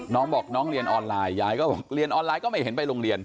น้องบอกน้องเรียนออนไลน์ยายก็บอกเรียนออนไลน์ก็ไม่เห็นไปโรงเรียน